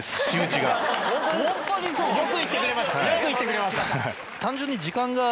よく言ってくれました。